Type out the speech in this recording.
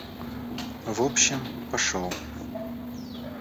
В общем, пошёл.